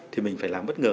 thì mình phải làm bất ngờ